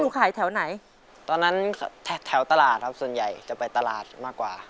ขายแถวไหนตอนนั้นแถวตลาดครับส่วนใหญ่จะไปตลาดมากกว่า